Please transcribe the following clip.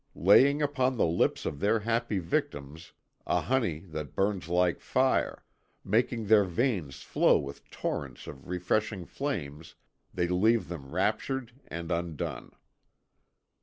Laying upon the lips of their happy victims a honey that burns like fire, making their veins flow with torrents of refreshing flames, they leave them raptured and undone."